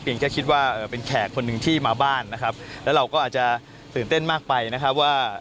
แค่คิดว่าเป็นแขกคนหนึ่งที่มาบ้านนะครับแล้วเราก็อาจจะตื่นเต้นมากไปนะครับว่า